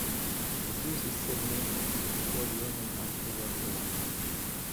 The series is set in England just before, during, and after World War One.